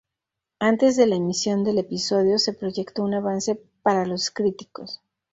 Antes de la emisión del episodio, se proyectó un avance para los críticos.